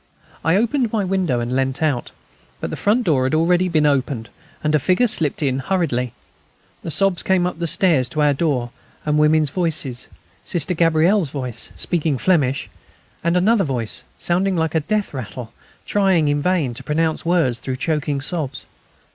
I opened my window, and leant out. But the front door had already been opened, and a figure slipped in hurriedly. The sobs came up the stairs to our door, and women's voices, Sister Gabrielle's voice, speaking Flemish, then another voice, sounding like a death rattle, trying in vain to pronounce words through choking sobs.